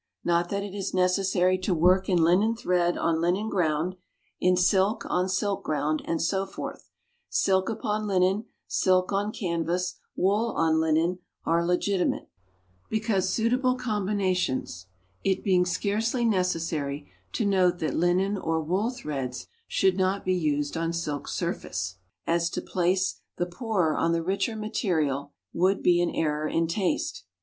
Not that it is necessary to work in linen thread on linen ground, in silk on silk ground, and so forth; silk upon linen, silk on canvas, wool on linen, are legitimate, because suitable combinations; it being scarcely necessary to note that linen or wool threads should not be used on silk surface, as to place the poorer on the richer material would be an error in taste.